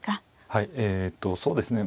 はいえとそうですね